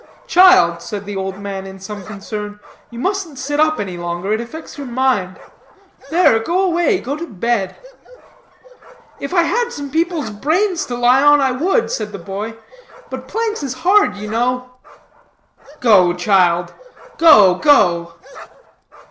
"Child," said the old man in some concern, "you mustn't sit up any longer, it affects your mind; there, go away, go to bed." "If I had some people's brains to lie on. I would," said the boy, "but planks is hard, you know." "Go, child go, go!"